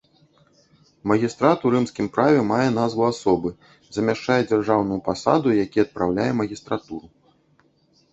Магістрат у рымскім праве мае назву асобы, замяшчае дзяржаўную пасаду, які адпраўляе магістратуру.